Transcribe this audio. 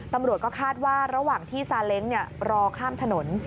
ตำรวจก็คาดว่าระหว่างที่ซาเล้งรอข้ามถนน